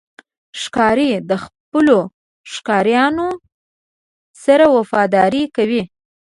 ښکاري د خپلو ښکارونو سره وفاداري کوي.